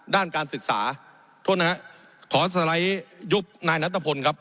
ด้านการศึกษาโทษนะฮะขอสไลด์ยุบนายนัทพลครับ